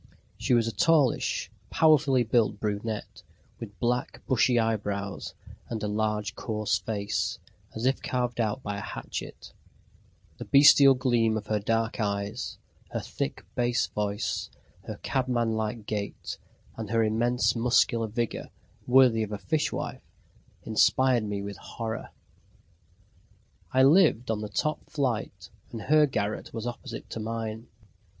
She was a tallish, powerfully built brunette, with black, bushy eyebrows and a large coarse face as if carved out by a hatchet the bestial gleam of her dark eyes, her thick bass voice, her cabman like gait and her immense muscular vigour, worthy of a fishwife, inspired me with horror. I lived on the top flight and her garret was opposite to mine.